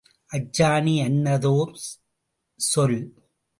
அச்சாணி அன்னதோர் சொல்.